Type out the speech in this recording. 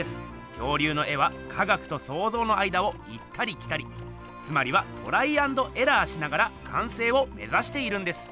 恐竜の絵は科学とそうぞうの間を行ったり来たりつまりはトライアンドエラーしながらかんせいを目ざしているんです。